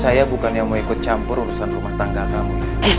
saya bukan yang mau ikut campur urusan rumah tangga kamu